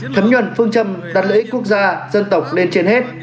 thấm nhuận phương châm đặt lợi ích quốc gia dân tộc lên trên hết